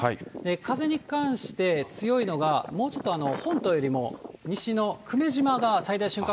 風に関して強いのが、もうちょっと本島よりも西の久米島が最大瞬間